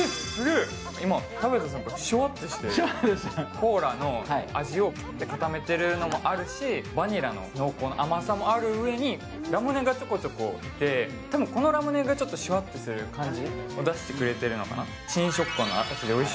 コーラの味を固めてるのもあるしバニラの濃厚な甘さもあるうえにラムネがちょこちょこきて多分、このラムネがちょっとシュワッとする感じを出してくれてるのかな。